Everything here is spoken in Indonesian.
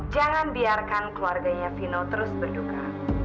jangan biarkan keluarganya vino terus berduka